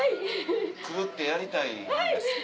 クルってやりたいんですって。